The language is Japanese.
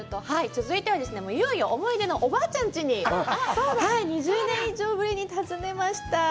続いてはですね、いよいよ思い出のおばあちゃんちに２０年以上ぶりに訪ねました。